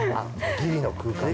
ギリの空間で。